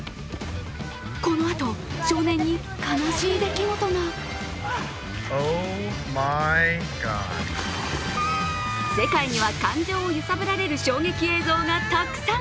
このあと、少年に悲しい出来事が世界には感情を揺さぶられる衝撃映像がたくさん。